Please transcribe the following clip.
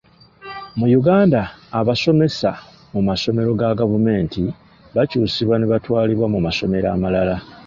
Mu Uganda abasomesa mu masomero ga gavumenti bakyusibwa nebatwalibwa mu masomero amalala.